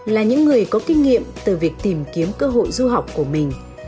là những người có kinh nghiệm từ việc tìm kiếm cơ hội du học của mình